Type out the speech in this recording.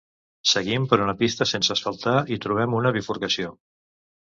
Seguim per una pista sense asfaltar i trobem una bifurcació.